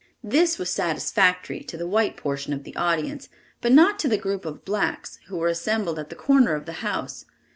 This was satisfactory to the white portion of the audience, but not to the group of blacks, who were assembled at the corner of the house.